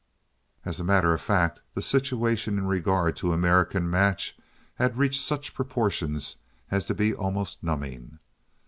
As a matter of fact, the situation in regard to American Match had reached such proportions as to be almost numbing.